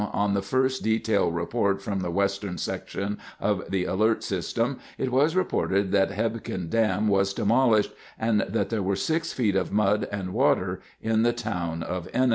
on the first detail report from the Western Section of the Alert System it was reported that Hebgen Dam was demolished and that there were 6 feet of mud and water at the town of Ennis.